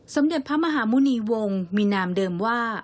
สมเด็จพระมหาหมุณีวงศ์มีนามเดิมว่า